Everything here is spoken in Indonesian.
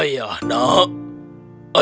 ayah tidak bisa membayar uang sekolahmu lagi